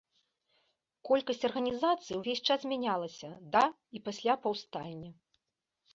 Колькасць арганізацыі ўвесь час змянялася да і пасля паўстання.